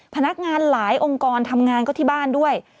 พนักงานหลายองค์กรทำงานก็ที่บ้านด้วย